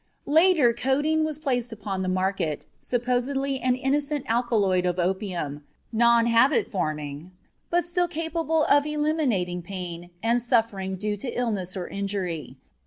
Later codeine was placed upon the market, supposedly an innocent alkaloid of opium, non habit forming, but still capable of eliminating pain and suffering due to illness or injury.